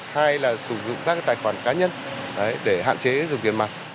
hai là sử dụng các tài khoản cá nhân để hạn chế dùng tiền mặt